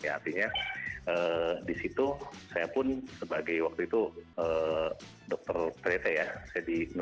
artinya di situ saya pun sebagai waktu itu dokter trete ya